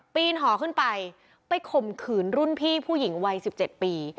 นหอขึ้นไปไปข่มขืนรุ่นพี่ผู้หญิงวัย๑๗ปี